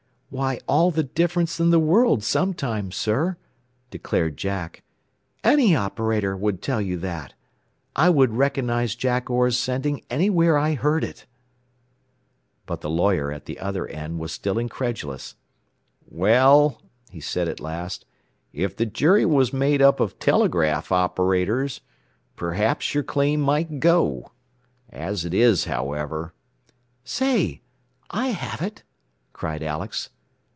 "Why, all the difference in the world, sometimes, sir," declared Jack. "Any operator would tell you that. I would recognize Jack Orr's sending anywhere I heard it." But the lawyer at the other end was still incredulous. "Well," he said at last, "if the jury was made up of telegraph operators, perhaps your claim might go. As it is, however " "Say, I have it!" cried Alex.